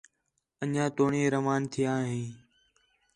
انڄیاں توڑیں روان تِھیا ہیں